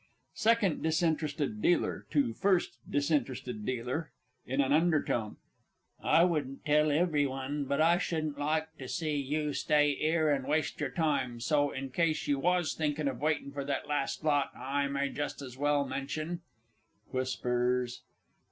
_ SECOND DISINTERESTED DEALER (to FIRST D. D., in an undertone). I wouldn't tell every one, but I shouldn't like to see you stay 'ere and waste your time; so, in case you was thinking of waiting for that last lot, I may just as well mention [_Whispers.